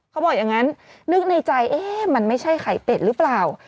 เขาบอกอย่างนั้นนึกในใจเอ๊ะมันไม่ใช่ไข่เป็ดหรือเปล่า